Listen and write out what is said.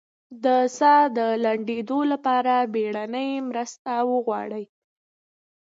د ساه د لنډیدو لپاره بیړنۍ مرسته وغواړئ